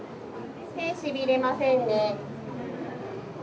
手しびれませんね？